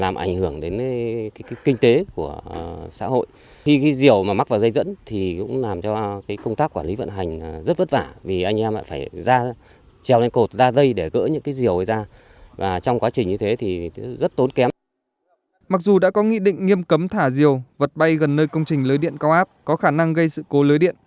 mặc dù đã có nghị định nghiêm cấm thả diều vật bay gần nơi công trình lới điện cao áp có khả năng gây sự cố lới điện